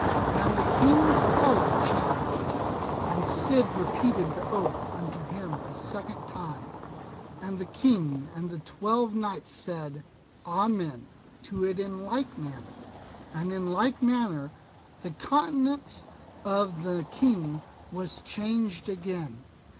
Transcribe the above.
And the King's colour changed; and the Cid repeated the oath unto him a second time, and the King and the twelve knights said "Amen" to it in like manner, and in like manner the countenance of the King was changed again.